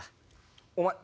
お前